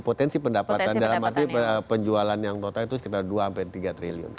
potensi pendapatan dalam arti penjualan yang total itu sekitar dua tiga triliun